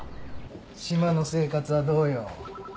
島の生活はどうよ。